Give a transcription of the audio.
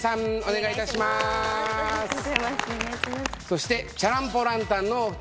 そしてチャラン・ポ・ランタンのお二人。